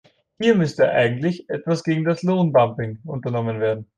Hier müsste endlich etwas gegen das Lohndumping unternommen werden.